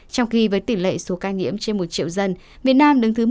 trong khi với tỉ lệ số ca nhiễm trên một triệu dân việt nam đứng thứ một trăm linh bốn